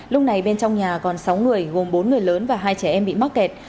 lúc này bên trong nhà còn sáu người gồm bốn người lớn và hai trẻ em bị mắc kẹt